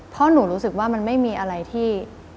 เพราะหนูรู้สึกว่ามันไม่มีอะไรที่